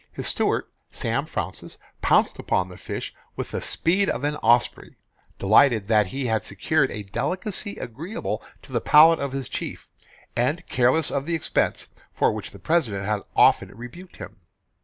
His steward, Sam Fraunces, pounced upon the fish with the speed of an osprey, delighted that he had secured a delicacy agreeable to the palate of his chief, and careless of the expense, for which the President had often rebuked him.